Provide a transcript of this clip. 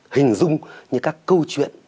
hình dung như các câu chuyện